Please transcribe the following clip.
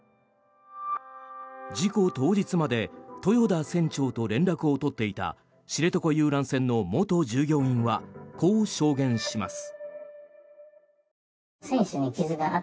事故当日まで豊田船長と連絡を取っていた知床遊覧船の元従業員はこう証言します。